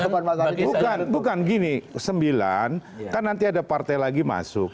bukan bukan gini sembilan kan nanti ada partai lagi masuk